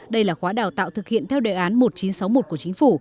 đây là khóa đào tạo thực hiện theo đề án một nghìn chín trăm sáu mươi một của chính phủ